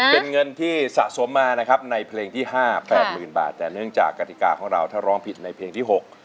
เป็นเงินที่สะสมมานะครับในเพลงที่ห้าแปดหมื่นบาทแต่เนื่องจากกฎิกาของเราถ้าร้องผิดในเพลงที่๖